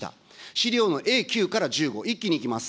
資料のＡ９から１５、一気にいきます。